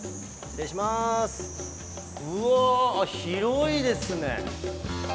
あっ広いですね。